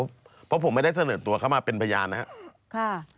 เพราะผมไม่ได้เสนอตัวเข้ามาเป็นพยานนะครับ